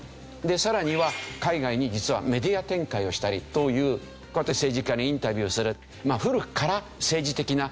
でさらには海外に実はメディア展開をしたりというこうやって政治家にインタビューをする。